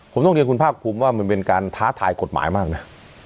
ผมต้องเรียนคุณภาคภูมิว่ามันเป็นการท้าทายกฎหมายมากนะ